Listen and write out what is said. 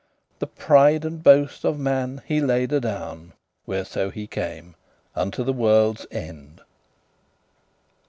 The pride and boast of man he laid adown, Whereso he came, unto the worlde's end.